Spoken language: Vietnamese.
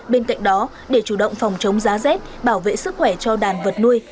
bên cạnh đó để chủ động phòng chống giá rét bảo vệ sức khỏe cho đàn vật nuôi